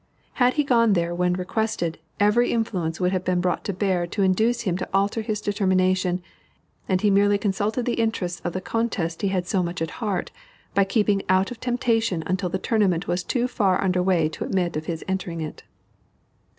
Had he gone there when requested, every influence would have been brought to bear to induce him to alter his determination, and he merely consulted the interests of the contest he had so much at heart, by keeping out of temptation until the tournament was too far under way to admit of his entering it.